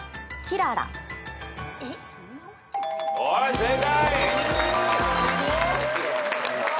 正解！